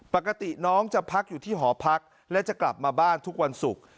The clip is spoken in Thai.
ปกติน้องจะพักอยู่ที่หอพักและจะกลับมาบ้านทุกวันศุกร์